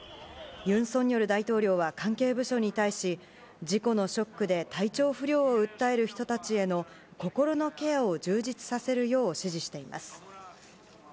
ユン・ソンニョル大統領は関係部署に対し、事故のショックで体調不良を訴える人たちへの心のケアを充実させるよう指示しています。